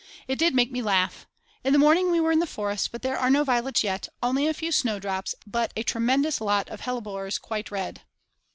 It did make me laugh. In the morning we were in the forest; but there are no violets yet, only a few snowdrops, but a tremendous lot of hellebores quite red.